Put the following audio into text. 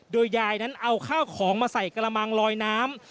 โดยยายนั้นเอาข้าวของมาใส่กระมังลอยน้ำ